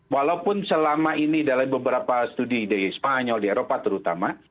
walaupun selama ini dalam beberapa studi di spanyol di eropa terutama